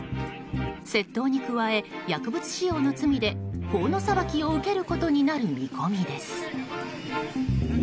窃盗に加え、薬物使用の罪で法の裁きを受けることになる見込みです。